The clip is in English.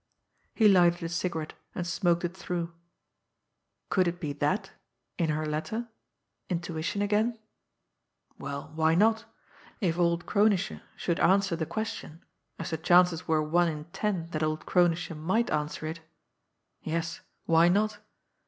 He lighted a cigarette and smoked it through. Could it be that in her letter! Intuition again? Well, why not if old Kronische should answer the question as the chances were one in ten that old Kronische might answer it! Yes why not!